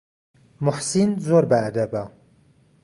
موحسین زۆر بەئەدەبە.